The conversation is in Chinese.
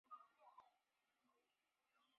太白中学是江油市三所公办普通高中之一。